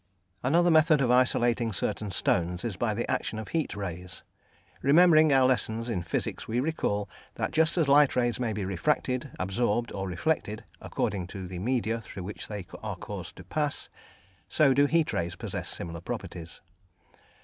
Another method of isolating certain stones is by the action of heat rays. Remembering our lessons in physics we recall that just as light rays may be refracted, absorbed, or reflected, according to the media through which they are caused to pass, so do heat rays possess similar properties.